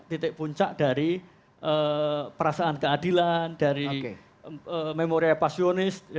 titik puncak dari perasaan keadilan dari memori apasionis